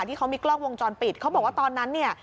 ที่เขามีกล้องวงจรปิดเขาบอกว่าตอนนั้นเนี่ย